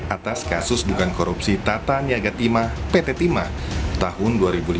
atas kasus dugaan korupsi tata nyaga timah pt timah tahun dua ribu lima belas dua ribu dua puluh dua